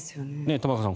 玉川さん